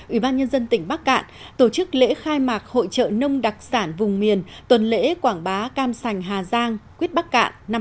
ủy ban nhân dân tỉnh bắc cạn tổ chức lễ khai mạc hội trợ nông đặc sản vùng miền tuần lễ quảng bá cam sành hà giang quyết bắc cạn năm hai nghìn hai mươi